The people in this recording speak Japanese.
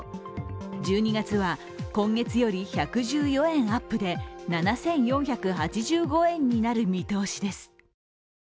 １２月は今月より１１４円アップで７４８５円になる見通しです。